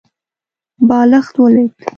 بالښت ولوېد.